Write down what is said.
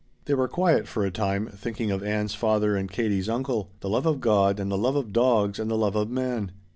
They were quiet for a time, thinking of Ann's father and Katie's uncle; the love of God and the love of dogs and the love of man.